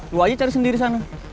lu aja cari sendiri sana